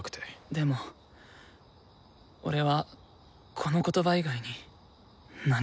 でも俺はこの言葉以外に何も。